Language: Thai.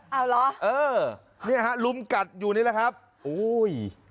เอาเหรอเออเนี่ยฮะลุมกัดอยู่นี่แหละครับโอ้ย